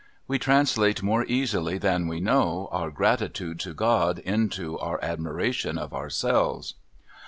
We translate more easily than we know our gratitude to God into our admiration of ourselves.